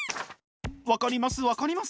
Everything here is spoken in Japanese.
分かります分かります。